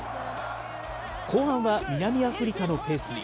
後半は南アフリカのペースに。